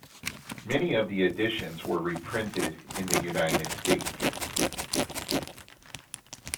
Many of the editions were reprinted in the United States.